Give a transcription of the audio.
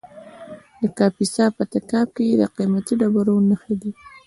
د کاپیسا په تګاب کې د قیمتي ډبرو نښې دي.